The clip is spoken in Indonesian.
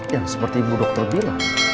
ya seperti bu dokter bilang